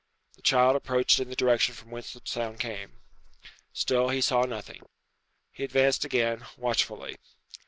The child approached in the direction from whence the sound came. Still he saw nothing. He advanced again, watchfully.